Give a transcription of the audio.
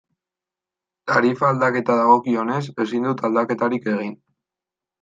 Tarifa aldaketa dagokionez, ezin dut aldaketarik egin.